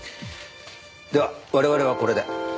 では我々はこれで。